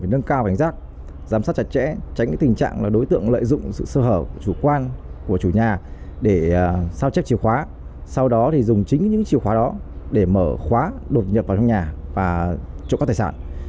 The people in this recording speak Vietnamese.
đột nhập vào trong nhà và trộm cấp tài sản